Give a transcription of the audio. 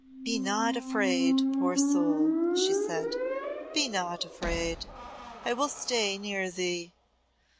"Be not afraid, poor soul," she said, "be not afraid. I will stay near thee.